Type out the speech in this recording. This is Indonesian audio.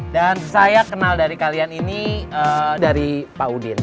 dan saya kenal dari kalian ini dari pak udin